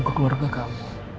ke keluarga kamu